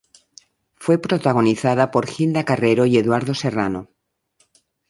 Fue protagonizada por Hilda Carrero y Eduardo Serrano.